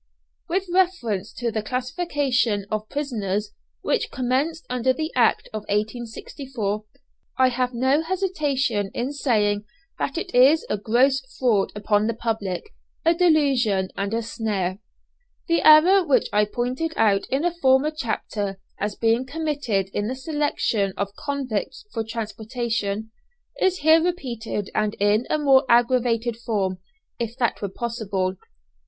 With reference to the classification of prisoners which commenced under the Act of 1864, I have no hesitation in saying that it is a gross fraud upon the public, a delusion and a snare. The error which I pointed out in a former chapter, as being committed in the selection of convicts for transportation, is here repeated and in a more aggravated form, if that were possible.